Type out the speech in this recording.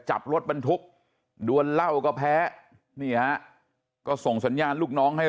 จับรถเป็นทุกข์ด้วยเล่าก็แพ้เนี่ยก็ส่งสัญญาณลูกน้องให้